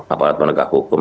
aparat penegak hukum